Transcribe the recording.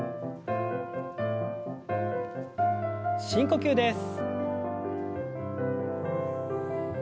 深呼吸です。